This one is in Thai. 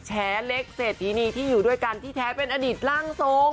แชร์เล็กเศรษฐีนีที่อยู่ด้วยกันที่แท้เป็นอดีตร่างทรง